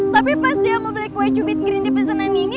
tapi pas dia mau beli kue cubit green di pesanan ini